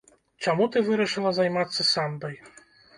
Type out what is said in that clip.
Чаму ты вырашыла займацца самбай?